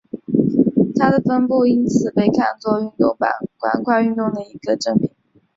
它们的分布因此被看作是板块运动的一个证明。